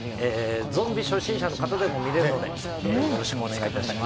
ゾンビ初心者の方でも見れるので、よろしくお願いします。